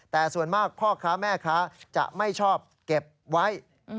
แต่ส่วนมากพ่อค้าแม่ค้าจะไม่ชอบเก็บไว้